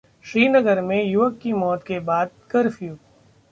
श्रीनगर में युवक की मौत के बाद कर्फ्यू